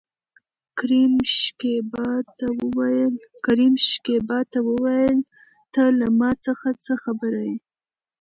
کريم شکيبا ته وويل ته له ما څخه څه خبره يې؟